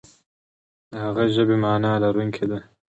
د هغه ژبه معنا لرونکې ده.